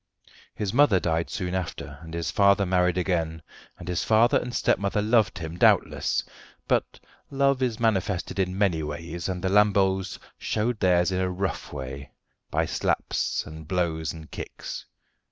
His mother died soon after, and his father married again, and his father and stepmother loved him, doubtless; but love is manifested in many ways, and the Lamboles showed theirs in a rough way, by slaps and blows and kicks.